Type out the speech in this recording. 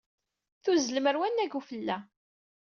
Tuzzlemt ɣer wannag n ufella.